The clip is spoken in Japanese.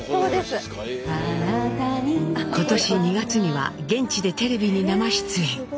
今年２月には現地でテレビに生出演。